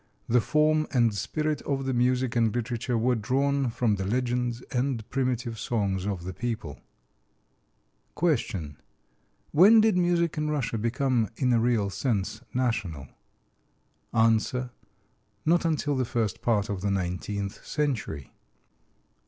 The form and spirit of the music and literature were drawn from the legends and primitive songs of the people. Q. When did music in Russia become, in a real sense, national? A. Not until the first part of the nineteenth century.